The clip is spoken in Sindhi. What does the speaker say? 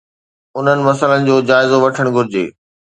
انهن مسئلن جو جائزو وٺڻ گهرجي